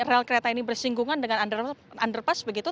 rel kereta ini bersinggungan dengan underpass begitu